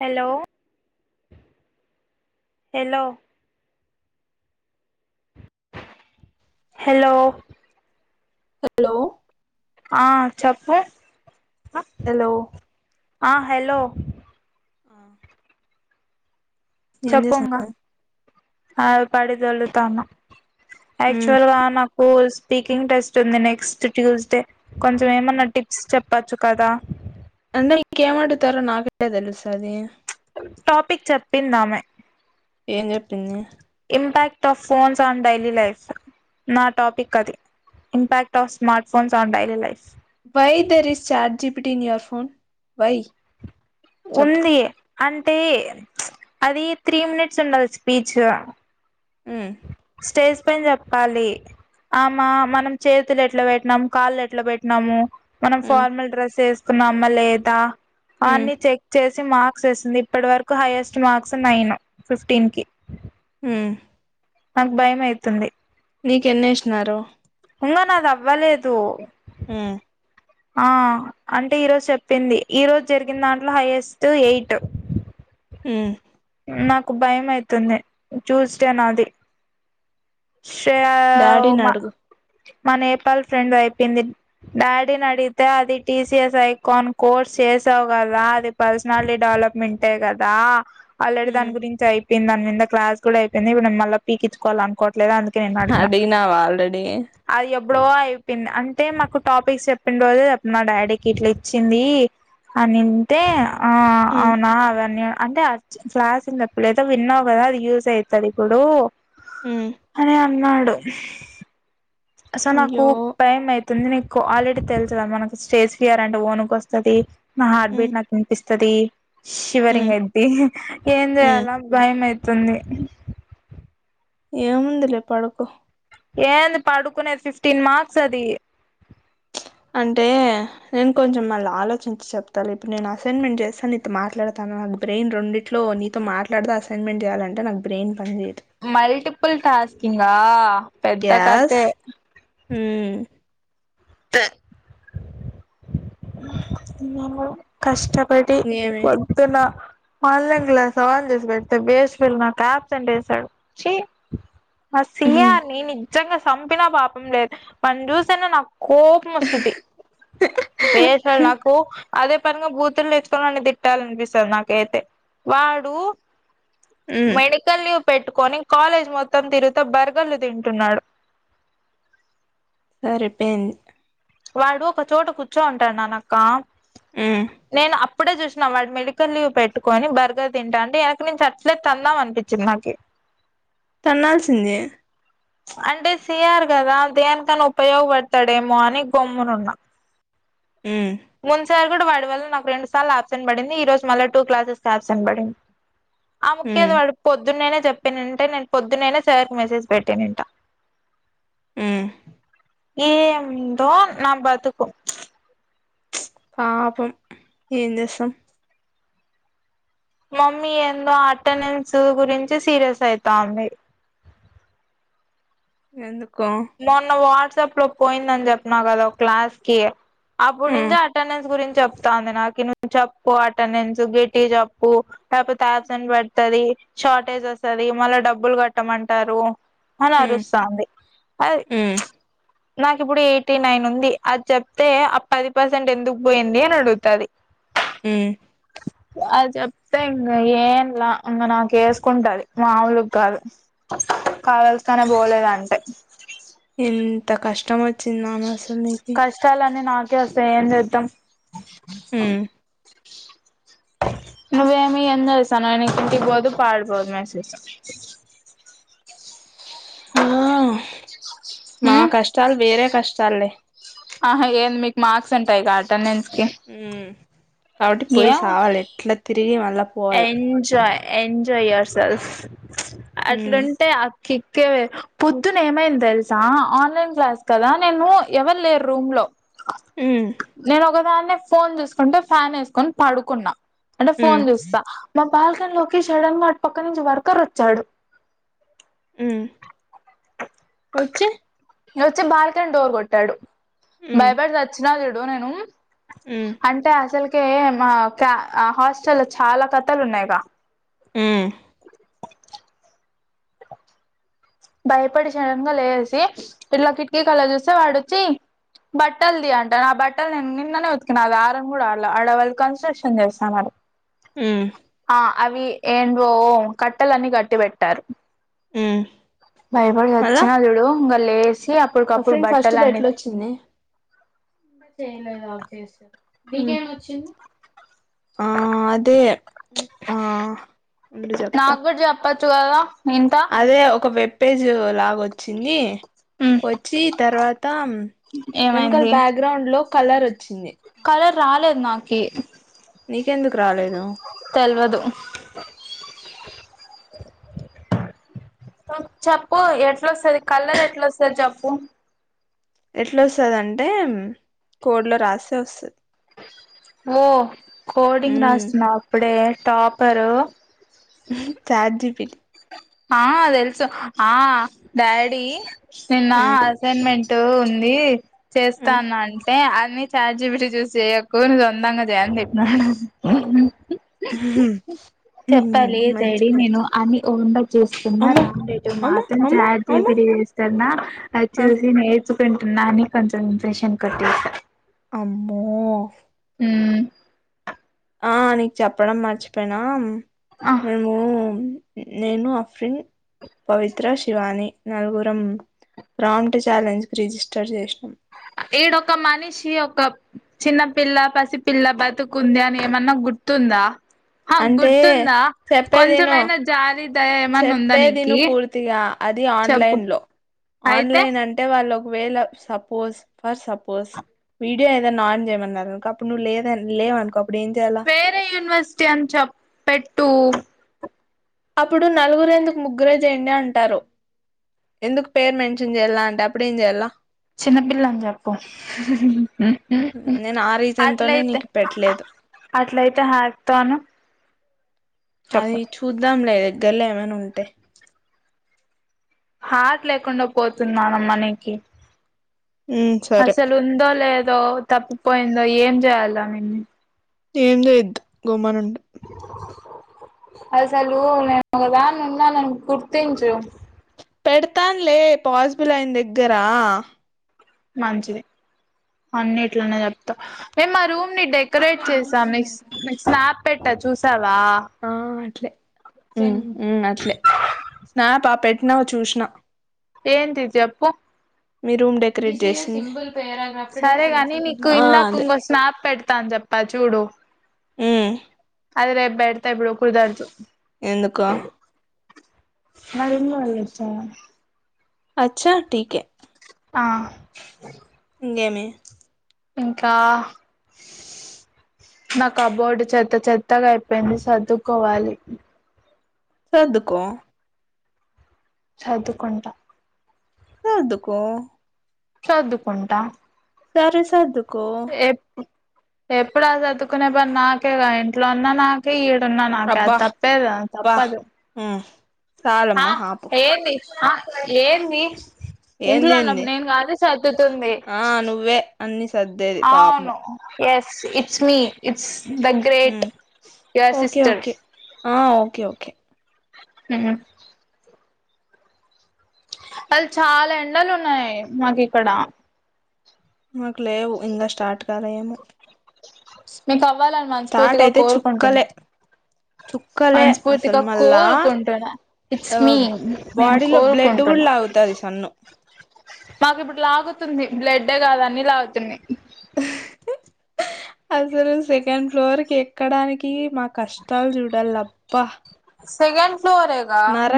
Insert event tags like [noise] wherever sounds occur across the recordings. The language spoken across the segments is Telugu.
హలో హలో హలో హలో ఆ చెప్పు హలో ఆ హలో ఆ ఏం చేస్తున్నావ్ ఆ పడిదళ్ళు తను యాక్చుల్గా నాకు స్పీకింగ్ టెస్ట్ ఉంది నెక్స్ట్ ట్యూస్ డే కొంచెం ఏమన్నా టిప్స్ చెప్పచ్చు కదా [unintelligible] ఇంకేం అడుగుతారో నాకెలా తెలుస్తది టాపిక్ చెప్పిందామే ఏం చెప్పింది impact of phones on daily life నా టాపిక్ అది impact of smart phones on daily life why there is chat G P T in your phone why చెప్పు ఉంది అంటే ప్చ్ అది త్రీ మినిట్స్ ఉండాల స్పీచ్ ఉమ్ స్టేజ్ పైన చెప్పాలి ఆమా మనం చేతులు ఎట్లా పెట్టినాము కాళ్ళు ఎట్లా పెట్టినాము మనం మ్ ఫార్మల్ డ్రెస్సెస్ ఉన్నామా లేదా మ్ అన్ని చెక్ చేసి మార్క్స్ వేస్తుంది ఇప్పటి వరకు హైయెస్ట్ మార్క్స్ నైన్ ఫిఫ్టీన్ కి ఉమ్ నాకు భయం అయితుంది నీకు ఎన్ని వేసినారు ఇంగో నాద్ అవ్వలేదు. మ్ ఆ అంటే ఈ రోజ్ చెప్పింది ఈ రోజు జర్గిన్ దాంట్లో హైయెస్ట్ ఎయిట్ మ్ నాకు భయం అయితుంది చూస్తే నాది శే డాడీని ఉమా అడుగు మా నేపాల్ ఫ్రెండ్ అయిపోయింది. డాడీని అడిగితే అది టీసీఎస్ ఐకాన్ కోర్స్ చేసావ్ కదా అది పర్సనాలిటీ డెవలప్మెంటే కదా ఆల్రెడీ మ్ దానన్ గురించి అయి ది. దాని మీద క్లాస్ కూడా అయిపోయింది. ఇప్పుడు మళ్ళ పీకించుకోవాల్ అనుకో లేద్ అన్ అడినవా ఆల్రెడీ అది ఎప్పుడో అయిపోయింది అంటే మాకు టాపిక్స్ చెప్పింన్ రోజే చెప్పిన మా డాడీకి ఇట్ల ఇచ్చింది అనింటే ఆ మ్ అవునా అవన్నీ అంటే [unintelligible] విన్నావు కదా అది యూజ్ అయితది ఇప్పుడు మ్ అని అన్నాడు. అసల్ నాకు అయ్యో టైమ్ అయితుంది. నీక్ క్వాలిటీ తెల్సుగ మనకి స్టేజ్ ఫియర్ అంటే ఓన్కు వస్తది. నా హార్ట్ మ్ బీట్ నాక్ విన్పిస్ స్తది. మ్ శివరింగ్ అయిద్ది ఏం మ్ చేయాలా భయం అయి తుంది. ఏముందిలే పడుకో ఏంది పడుకునేది ఫిఫ్టీన్ మార్క్స్ అది అంటే నేను కొంచం మళ్ళ ఆలోచించి చెప్తాలె. ఇప్పుడు నేను అసైన్మెంట్ చేస్తాను నీతో మాట్లాడతాను నాకు బ్రెయిన్ రొండిట్లో నీతో మాట్లాడ్త అసైన్మెంట్ చేయాలంటే నాక్ బ్రెయిన్ పని చేయదు మల్టిపుల్ టాస్క్ ఇంగా పెద్ద కథే ఉమ్ ప్ర కష్టం. పటి ఏమి పొద్దున ఆన్లైన్ క్లాస్ ఆన్ చేసి పెడ్తే బేస్ ఫిల్ నాకు అప్సాంట్ ఏసాడు. చీ ఆ సియాన్నీ ని నిజంగా సంపినా పాపం లేదు వాన్ని చూస్తేనే నాక్ కోపం వస్తది బేసల్ నాకు అదే పనిగా బూతులు నేర్చుకొని వాణ్ణి తిట్టాలనిపిస్తద నాకైతే వాడు మ్మ్ మెడికల్యూ పెట్టుకొని కాలేజ్ మొత్తం తిరుగుతే బర్గర్లు తింటున్నాడు. సరిపేయింది. వాడు ఒక చోట కూర్చో ఉంటాడు నాన అక్క. మ్మ్ నేను అ ఇప్పుడే చూసిన వాడు మెడికల్ లీవ్ పెట్టుకొని బర్గర్ తింటా అంటే వెనకు నుంచి అట్లే తందాం అనిపించింది. నాకి తన్నాల్సింది. అంటే సియారు కదా దేనికన్నా ఉపయోగపడతాడేమో అని గొమ్మును ఉన్నా మ్మ్ మున్సార్ వాడి వల్ల నాకు రెండు సార్లు అప్సెంట్ పడింది. ఈ రోజు మళ్ళీ టూ క్లాసెస్ కి అప్సెంట్ పడింది. ఆ ముక్కేదో మ్మ్ వాడు పొద్దున్నేనే, చెప్పి నింటే నేను పొద్న్ననై సార్కి మెసేజ్ పెట్ తినింట మ్మ్ ఏందో నా బతుకు పాపం ఏం చేస్తాం. మమ్మీ ఎందో అటెండెన్స్ గురించి సీరియస్ అయితాంది. ఎందు మొన్న వా వాడ్సప్ లో పోయిందని చెప్పిన కదా క్లాస్ కి. అప్పుడు నుంచి మ్మ్ అటెండన్స్ గురించి. చెప్తాంది నాకు నువ్ చెప్పు అటెండెన్స్ గెట్టిగా చేప్పు. లేకపోతే అప్సెంట్ పడుతది. షార్టేజ్ వస్తది మళ్ళా డబ్బులు కట్టమంటారు. అని అరుస్తంది. ఉమ్ నాకు ఇప్పుడు ఎయిటీ నైన్ ఉంది అది చెప్తే ఆ పది పర్సెంట్ ఎందుకు పోయింది అని అడుగుతది. ఉ అది చెప్తే ఇంక ఏంలా ఇంక నాకు వేసుకుంటది. మాములుకి కాదు కావలస కానే పోలేద అంటే తమ చి నమే అసలు నకి వస్తాయ్ ఎంజేతం. [inaudible] మ్మ్ నువ్వేమి ఎందసానున ఇంటికి బోదు పాడబోదు మెస్లు ఆ మా కష్టాలు వేరే. కష్టాలే ఆ ఏన్ మీక్ మార్క్స్ ఉంటా ఈ గా అటెండెన్స్. కి మ్మ్ కాబట్టి పోయి ఏం సావాలె ఎట్ల తిరిగి మళ్ళ పోవాల ఎంజాయ్ ఎంజాయ్ యువర్ సేల్ప్స్ ప్చ్ ఉమ్ అట్లంటే అగు కిక్కేవేర్ పొద్దున ఏమైంది తెలుసా ఆన్లైన్ క్లాస్ కదా నేను ఎవరు లేరు రూమ్ లో ఉమ్ నేను ఒకదాన్నే ఫోన్ చూసుకుంట ఫ్యాన్ ఏసుకొని పడుకున్నా అంటే ఫోన్ ఉమ్ చూస్తా మ బాల్కనీ లో ఒకే సాడన్ గా అటు పక్క నుంచి వర్కర్ వచ్చాడు మ్మ్ వచ్చి వచ్చి బాల్కనీ డోర్ గోట్టాడు ఉమ్ బయపడి చచ్చినా చూడు ఇగో నేను ఉమ్ అంటే అసలుక్ ఓకే మాకా హాస్టల్ చాలా కథలు ఉన్నాయిగా మ్మ్ హ్ భయపడి సడెన్ గా లేసి ఇట్ల కిటికీకెల్లీ చూస్తే వాడొచ్చి బట్టలు తీయ్ అంటండు ఆ బట్టలు నేను నిన్ననే ఉతికినా అది ఆరను గుడ ఆరలే ఆడవాళ్ళు కన్స్ట్రక్షన్ చేస్తాన్నారు మ్మ్ హ్హ్ అవి ఏంటివో కట్టలన్ని కట్టి పెట్టారు మ్మ్ భయపడి వచ్చిన జుడు ఇంగ లేసి అప్పటికప్పుడు ఆఫ్రిన్ ఫస్ట్ ప్రైజ్ బట్టలన్నీ ఎట్ల వచ్చింది మీకేమి వచ్చింది ఆ అదే ప్చ్ ఆ ఉండు చెప్తా వచ్చు గదా అదే ఒక వెబ్ పేజీ లాగా వొచ్ వచ్చింది ఉమ్ వచ్చి తర్వాత వెనకల ఏమైంది బ్యాక్గ్రౌండ్లో కలరు వచ్చింది అల రాలేదు నాకి నీకెందుకు రాలేదు తెలువదు చెప్పు ఎట్లస్తది కలరు ఎట్ల వస్తది చెప్పు ఎట్లస్తదంటే కోడ్ లో రాస్తే వస్తది ఓ కోడింగ్ ఉమ్ రాసినా అప్పుడే టాపరూ చాట్ జీ పి టి ఆ తెలుసు ఆ డాడీ నిన్నా ఉమ్ అసైన్మెంట్ మెంట్ ఉంది. ఉమ్ చేస్తానంటే అద్ అన్ని చాట్ జీ పి టి చూసి చెయ్యకు నువ్వు సొంతంగా చేయి అని చెప్పినాడు. మంచి పని ఉండక్ చేస్తున్నా అమ్మో రాగుండేటివి అమ్మో మాత్రం అమ్మో చాట్ జీ అమ్మో పి టీ చేస్తున్న అది ఆ చూసి నేర్ చ్చుకుంటున్నా అనీ కొంచెం ఇంప్రెషన్ కొట్టేసా అమ్మో మ్మ్ ఆ నీకు చెప్పడం మర్చిపోయినా ఆ మేము నేను ఆఫ్రిన్ పవిత్ర శివాని నలుగురం గ్రాంట్ ఛాలెంజ్కి రిజిస్టర్ చేసినం. ఈడొక మనిషి ఒక చిన్న పిల్ల పసిపిల్ల బతుకుంది అని ఏమన్నా గుర్తుందా ఆ అంటే గుర్తుందా చెప్పేదిను కొంచెమైనా జాలి దయ ఏమన్నా ఉందా చెప్పేదిను నీకి పూర్తిగా అది చెప్పు ఆన్లైన్ లో అయితే ఆన్లైన్ అంటే వాళ్ళ ఒక వేళ సపోజ్ ఫర్ సపోజ్ వీడియో ఏదన్నా ఆన్ చేయమన్నారనుకో అప్పుడులేదను నువ్వు లేవనుకో అప్పుడేం చేయాల సిటీ అని చెం చెప్పెట్టు అప్పుడు నలుగురెందుకు ముగ్గురే చేయండి అంటారు. ఎందుకు పేరు మెన్షన్ చెయ్యాల్ల అంటే అప్పుడ ఏం చెయ్యల్లా చిన్నపిల్ల అని చెప్పు నేను ఆ రీజన్ తోనే అట్లయితే నీకు పెట్టలేదు అట్లయితే హాక్తోను. అది చూద్దాం లేద దగ్గరలో ఏమైనా ఉంటే హార్ట్ లేకుండా పోతుంది నానమ్మ నీకి ఉమ్ సరే అసలు ఉందో లేదో తప్పు పోయిందో ఏం చేయాలా నిన్నీ ఏం చేయద్దు గమ్మానుం అసలు నేను ఒకదాన్ని ఉన్నానని గుర్తించు పెడతాన్లే పాసిబుల్ అయిందగ్గరా మంచిది అన్నిట్లనే చెప్తా వే మా రూమ్ నీ డెకొరేట్ చేసాం నీ నిక్ స్నాప్ పెట్టా చూసావ్ ఆ అట్లే ఊ ఊ అట్లే స్నాపా పెట్ నవ్ చూసినా ఏంటి జెప్పు మీ రూమ్ డెకరేట్ చేసి సరే గాని నీకు ఇందాక అదే ఇంగో స్నాప్ పెడ్ తాన్ జెప్పా చూడు హ్మ్ అది రేప్ పెడతా ఇప్పుడు కుదరదు ఎందుకో మా రూమ్ లో వాళ్ళు వచ్చా అచ్చా టి కే ఆ గేమి ఇంకా నా కబోర్డు చెత్త చెత్తగా అయిపోయింది సర్దుకోవాలి సర్దుకో సర్దుకుంట సర్దుకో చర్దుకుంటా సరే సదు ఏ ఎప్పుడు ఆ చర్దుకునే పని నాకే కా ఇంట్లో ఉన్న నాకే ఈ న్నా నాకు అది అబ్బా తప్పేది అ అబ్బా తప్పదు ఉమ్ చాలమ్మా ఆపు ఏంది ఆ ఏ ఇంట్లో ఏందేంది ఉన్నప్పుడు నేను కానీ సర్దుతుంది ఆ నువ్వే అన్ని సదేది పాపముం yes it's me it's the great um yeah okay sister okay ఆ ఓకే ఓకే హ్మ్ అది చాలా ఎండలు ఉన్నాయి మాకిక్కడ మాకు లేవు ఇంకా స్టార్ట్ కాలే ఏమొ స్మీత ఇవ్వాలని స్టార్ట్ మనస్ఫూర్తిగా అయితే కోరుకుంటున్నా చుక్కలే చుక్కలే అసలు మనస్ఫూర్తిగా మళ్ళా కోరుకుంటున్నా ఇట్స్ ఆ మీ నేను బాడీలో బ్లడ్ కూడా కోరుకుంటున్నా లాగుతది సన్ను నాకు ఇప్పుడు లాగుతుంది బ్లడ్డే కాదు అన్నీ లాగుతున్నాయి అసలు సెకండ్ ఫ్లోర్ కి ఎక్కడానికి మా కష్టాలు చూడాలబ్బా సెకండ్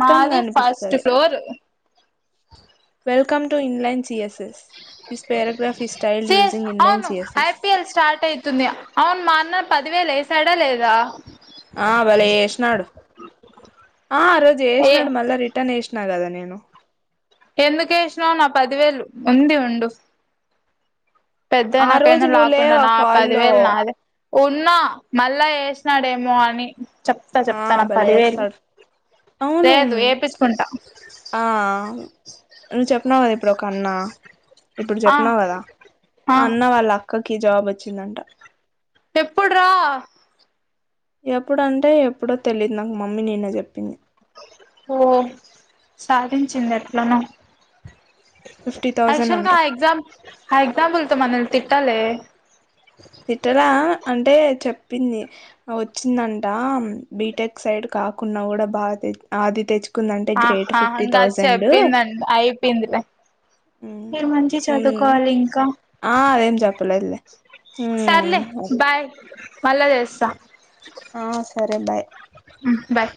మాది ఫస్ట్ కనిపిస్తది ఫ్లోర్ వెల్కమ్ టు ఇన్లైన్ చి ఎస్ సిఎస్ యూజింగ్ ఇన్లైన్ అవును సిఎస్ఎస్ ఐపిఎల్ స్టార్ట్ అవుతుంది అవును మా అన్న పదివేలు ఏ ఏడ లేదా ఆ భలే ఏసినాడు ఆ రోజు ఏ యేసినాడు మళ్ళా రిటర్న్ ఏస్ నా గదా నిను ఎందుకు ఏసినావ్ నా పదివేలు ఉంది ఉండు ఆ రోజు పెదైనాకైనా నువ్వు లకుంటా లేవు ఆ నా కాల్లో పదివేలు నాదే ఉన్నా మళ్ళా ఏసినాడేమో అని చెప్తా ఆ చెప్తా నా భలే పదివేలు ఏస్తాడు అవును లేదు వేపించుకుంటా ఆ నువ్వు చెప్నవ్ కదా ఇప్పుడు కన్నా ఇప్పుడు ఆ చెప్పినవు కదా ఆ అన్న వాళ్ళ అక్కక్ కి జాబ్ వచ్చిందంట ఎప్పుడ్రా ఎప్పుడంటే ఎప్పుడో తెలియదు నాకు మమ్మీ నిన్న చెప్పింది ఓ సాధించింది ఎట్లనో ఫిఫ్టీ థౌజండ్ యాక్చువల్ గా అంట ఆ ఎగ్జామ్ ఆ ఎగ్జాఫుల్‌తో మనల్ని తిట్ ట్టలే తిట్టలే అంటే చెప్పింది వచ్చిందంట బీటెక్ సైడ్ కాకుండా కూడా బాగా తే ఆది తెచ్ అహ హ ఇంగది చెప్పిందంటే అయిపేయింది లే మీరు మంచి చదువుకోవాలి ఇంకా ఆ అదేం చెప్పలేదులే సర్లే బాయ్ మల్ల జేస్తా ఆ సరే బాయ్ హ్మ్ బాయ్